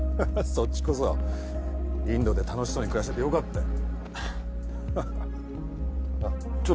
そっちこそインドで楽しそうに暮らしててよかったよ